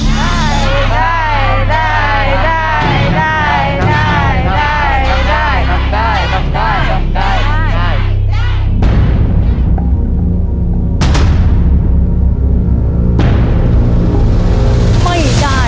ไม่ได้